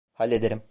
Hallederim.